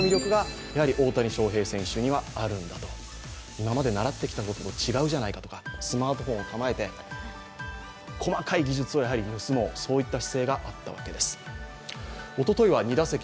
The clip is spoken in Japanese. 今まで習ってきたことと違うじゃないかとかスマートフォンを構えて、細かい技術を盗もう、そういった姿勢があったわけです。